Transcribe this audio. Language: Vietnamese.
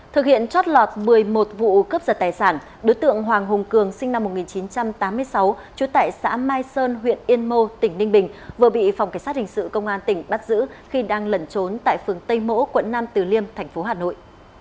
thực hiện trót lọt một mươi một vụ cướp giật tài sản đối tượng hoàng hùng cường sinh năm một nghìn chín trăm tám mươi sáu trú tại xã mai sơn huyện yên mô tỉnh ninh bình vừa bị phòng cảnh sát hình sự công an tỉnh bắt giữ khi đang lẩn trốn tại phường tây mỗ quận nam từ liêm thành phố hà nội